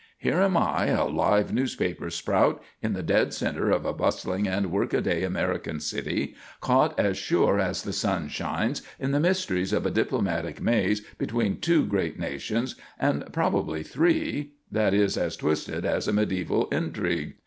Here am I, a live newspaper sprout, in the dead centre of a bustling and work a day American city, caught as sure as the sun shines, in the mysteries of a diplomatic maze between two great nations, and probably three, that is as twisted as a mediæval intrigue.